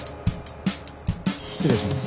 失礼します。